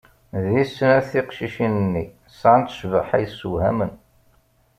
Di snat tiqcicin-nni sɛant cbaḥa yessewhamen.